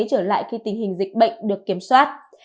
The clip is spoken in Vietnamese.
trở lại khi tình hình dịch bệnh được kiểm soát